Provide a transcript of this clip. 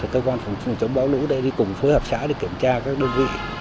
và cơ quan phòng trường chống báo lũ để đi cùng phối hợp xã để kiểm tra các đơn vị